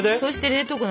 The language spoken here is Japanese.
冷凍庫！